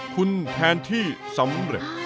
คุณแทนที่สำเร็จ